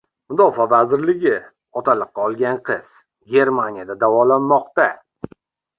Mudofaa vazirligi otaliqqa olgan qiz Germaniyada davolanmoqda